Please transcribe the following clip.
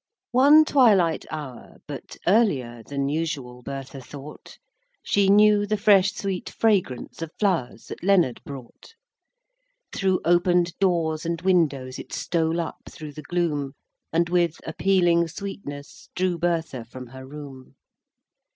IX. One twilight hour, but earlier Than usual, Bertha thought She knew the fresh sweet fragrance Of flowers that Leonard brought; Through open'd doors and windows It stole up through the gloom, And with appealing sweetness Drew Bertha from her room.